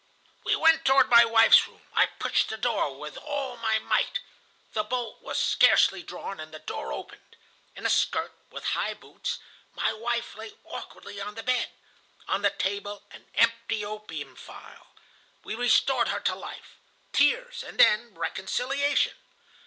We went toward my wife's room. I pushed the door with all my might. The bolt was scarcely drawn, and the door opened. In a skirt, with high boots, my wife lay awkwardly on the bed. On the table an empty opium phial. We restored her to life. Tears and then reconciliation!